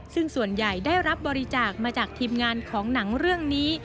ซึ่งส่วนใหญ่ได้รับบริจาคมาจากทีมงานของหนังเรื่องนี้